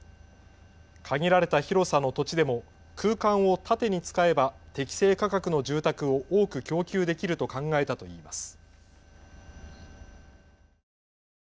限られた広さの土地でも空間を縦に使えば適正価格の住宅を多く供給できると考えたといいます。